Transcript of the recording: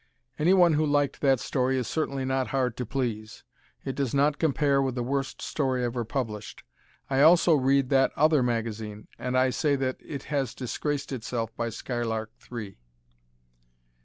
Anyone who liked that story is certainly not hard to please. It does not compare with the worst story ever published. I also read that "other magazine" and I say that it has disgraced itself by "Skylark Three."